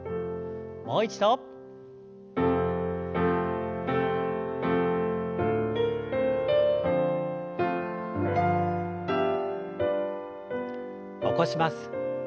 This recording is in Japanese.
もう一度。起こします。